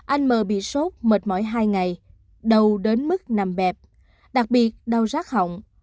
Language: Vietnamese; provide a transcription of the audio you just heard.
anh m bị sốt mệt mỏi hai ngày đầu đến mức nằm bẹp đặc biệt đau rác hỏng